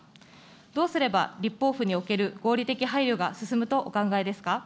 どうすれば立法府における合理的配慮が進むとお考えですか。